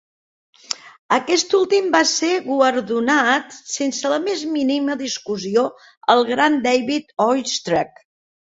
Aquest últim va ser guardonat sense la més mínima discussió al gran David Oistrakh.